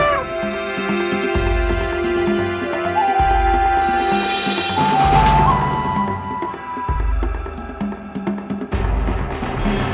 kita harus memberikan tugas